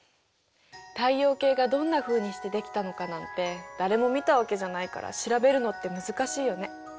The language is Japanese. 太陽系がどんなふうにしてできたのかなんて誰も見たわけじゃないから調べるのって難しいよね。